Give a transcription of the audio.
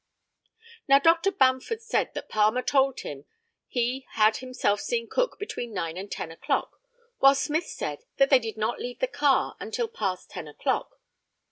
Now Dr. Bamford said that Palmer told him he had himself seen Cook between nine and ten o'clock, while Smith said that they did not leave the car until past ten o'clock.